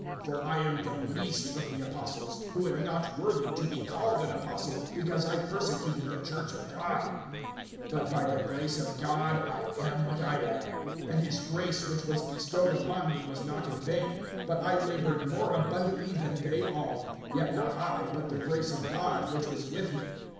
(9)For I am the least of the apostles, who am not worthy to be called an apostle, because I persecuted the church of God. (10)But by the grace of God I am what I am; and his grace which was bestowed upon me was not in vain; but I labored more abundantly than they all; yet not I, but the grace of God which was with me.